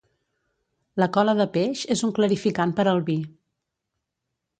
La cola de peix és un clarificant per al vi.